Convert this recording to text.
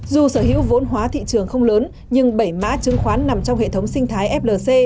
dù sở hữu vốn hóa thị trường không lớn nhưng bảy mã chứng khoán nằm trong hệ thống sinh thái flc